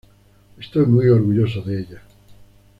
Estoy muy orgulloso de ella.